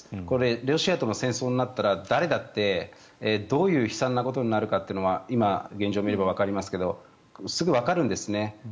これはロシアともし戦争になったら誰だってどういう悲惨なことになるかというのは今、現状を見ればわかりますがすぐわかるんですね。